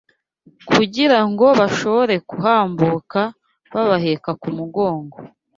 kugira ngo bashobore kuhambuka babaheka k’ umugongo